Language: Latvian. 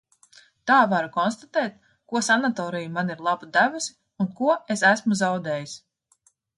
Tā varu konstatēt ko sanatorija man ir labu devusi un ko es esmu zaudējis.